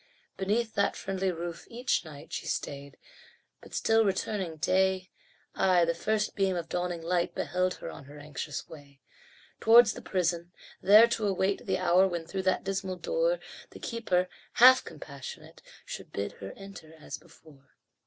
Beneath that friendly roof, each night She stayed, but still returning day Ay, the first beam of dawning light Beheld her on her anxious way. Towards the prison, there to await The hour when through that dismal door The keeper, half compassionate, Should bid her enter as before.